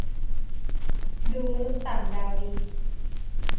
ดูมนุษย์ต่างดาวดี